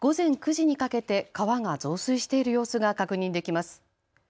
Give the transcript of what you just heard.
午前９時にかけて川が増水している様子が確認できます。